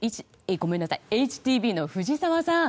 ＨＴＢの藤澤さん。